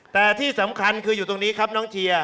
แต่ที่สำคัญคืออยู่ตรงนี้ครับน้องเชียร์